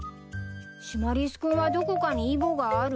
シマリス君はどこかにイボがある？